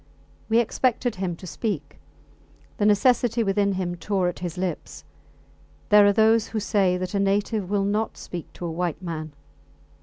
We expected him to speak. The necessity within him tore at his lips. There are those who say that a native will not speak to a white man.